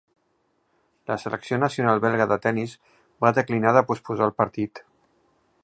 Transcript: La selecció nacional belga de tennis va declinar de posposar el partit.